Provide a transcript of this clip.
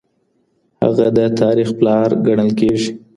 هغه د تاریخ پلار ګڼل کیږي.